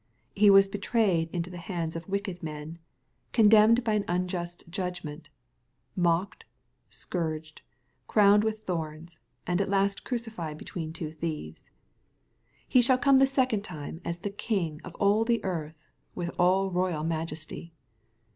He was betrayed into the hands of wicked men, condemned by an unjust judgment, mocked, scourged, crowned with thorns, and at last crucified between two thieves, f He shall come the second time as the King of all the earth, with aU royal majesty.